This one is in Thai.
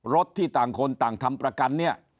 ที่ต่างคนต่างทำประกันเนี่ย